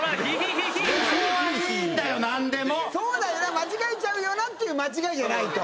そうだよ間違えちゃうよなっていう間違えじゃないと。